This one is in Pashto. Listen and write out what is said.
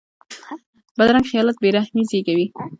بدرنګه خیالات بې رحمي زېږوي